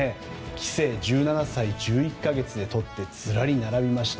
棋聖、１７歳１１か月でとってずらり並びました。